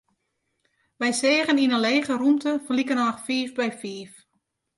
Wy seagen yn in lege rûmte fan likernôch fiif by fiif.